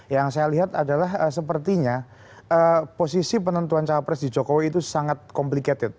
yang saya lihat adalah sepertinya posisi penentuan cawapres di jokowi itu sangat komplikated